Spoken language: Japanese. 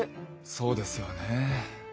そうですよね。